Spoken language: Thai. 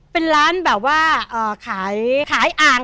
เป็นร้านแบบว่าขายอ่าง